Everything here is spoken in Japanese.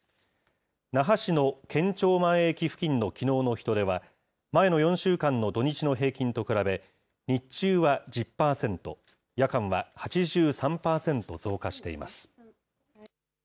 那覇市の県庁前駅付近のきのうの人出は、前の４週間の土日の平均と比べ、日中は１０％、夜間は８３％増加しています。